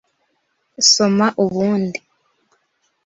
Soma ubundi.